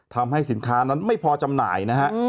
ทำให้สินค้านั้นไม่พอจำหน่ายนะฮะ